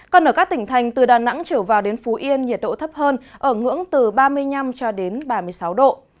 còn ở các tỉnh thành từ đà nẵng trở vào đến phú yên nhiệt độ thấp hơn ở ngưỡng từ ba mươi năm cho đến ba mươi sáu độ